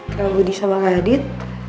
kalau budi sama kak adit